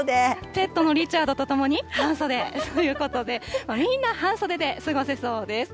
ペットのリチャードとともに。ということで、みんな半袖で過ごせそうです。